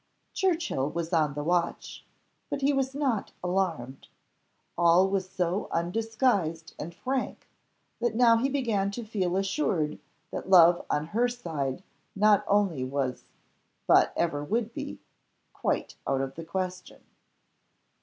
Churchill was on the watch, but he was not alarmed; all was so undisguised and frank, that now he began to feel assured that love on her side not only was, but ever would be, quite out of the question.